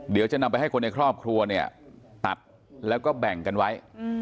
เดี๋ยวจะนำไปให้คนในครอบครัวเนี่ยตัดแล้วก็แบ่งกันไว้